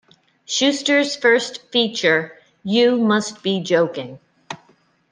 Schuster's first feature, You Must Be Joking!